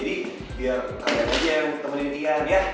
jadi biar raya aja yang temenin dia ya